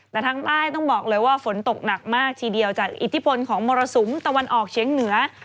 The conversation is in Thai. แต่ทางใต้ต้องบอกเลยว่าฝนตกหนักมากทีเดียวจากอิทธิพลของมรสุมตะวันออกเชียงเหนือ